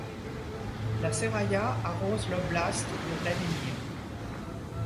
La Seraïa arrose l'oblast de Vladimir.